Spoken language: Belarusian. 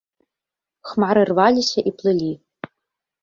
Хмары рваліся і плылі.